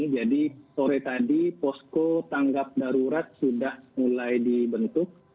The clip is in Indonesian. jadi sore tadi posko tanggap darurat sudah mulai dibentuk